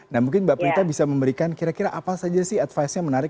nah mungkin mbak prita bisa memberikan kira kira apa saja sih advice nya menarik